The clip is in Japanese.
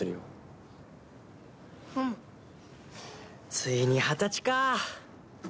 ついに二十歳か！